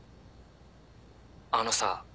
あのさ。